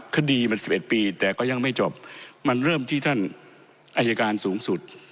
คดีมัน๑๑ปีแต่ก็ยังไม่จบมันเริ่มที่ท่านอายการสูงสุด